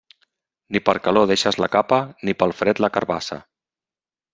Ni per calor deixes la capa, ni pel fred la carabassa.